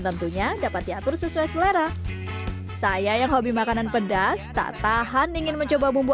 tentunya dapat diatur sesuai selera saya yang hobi makanan pedas tak tahan ingin mencoba bumbu